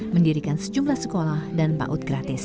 mendirikan sejumlah sekolah dan baut gratis